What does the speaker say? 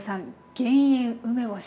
減塩梅干し